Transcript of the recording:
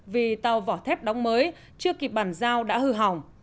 vì tàu vỏ thép đóng mới chưa kịp bàn giao đã hư hỏng